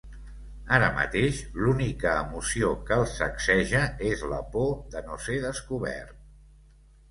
Ara mateix l'única emoció que el sacseja és la por de no ser descobert.